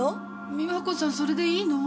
美和子さんそれでいいの？